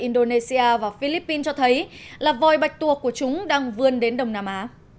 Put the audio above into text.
indonesia và philippines cho thấy là vòi bạch tuộc của chúng đang vươn đến đông nam á